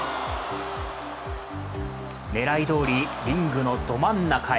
狙いどおりリングのど真ん中へ。